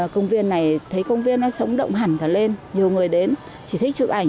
công viên này thấy công viên nó sống động hẳn cả lên nhiều người đến chỉ thích chụp ảnh